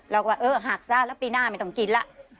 เราก็ว่าหักซะปีหน้าไม่ต้องกินละ